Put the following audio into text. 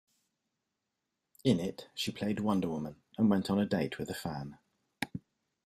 In it, she played Wonder Woman and went on a date with a fan.